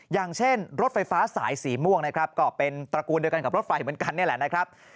อย่างเช่นรถไฟฟ้าสายสีม่วงนะครับก็เป็นตระกูลเดียวกันกับรถไฟเหมือนกันนี่แหละนะครับ